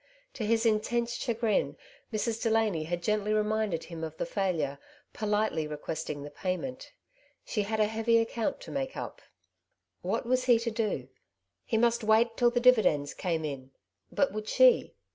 To his intense chagrin Mrs. Delany had gently reminded him of the failure, politely re questing the payment. She had a heavy accoont to make up. What was he to do ? He must wait till the divi dends came in, but would she